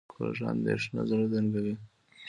کوږه اندېښنه زړه تنګوي